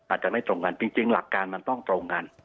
อาจจะไม่ตรงกันจริงหลักการมันต้องตรงกัน